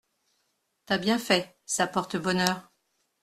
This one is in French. T’as bien fait, ça porte bonheur.